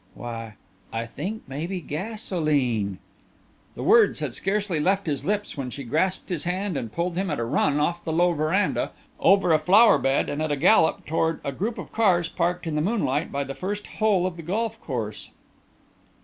"Why I think maybe gasolene " The words had scarcely left his lips when she grasped his hand and pulled him at a run off the low veranda, over a flower bed and at a gallop toward a group of cars parked in the moonlight by the first hole of the golf course.